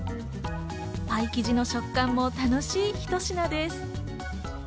パイ生地の食感も楽しいひと品です。